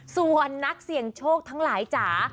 ส่วนนักเสี่ยงโชคทั้งหลายจ๋า